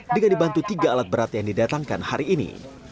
dengan dibantu tiga alat berat yang didatangkan hari ini